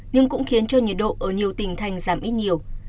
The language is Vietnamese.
nhưng cũng khiến cho nhiệt độ ở nhiều tỉnh thành giảm ít nhiều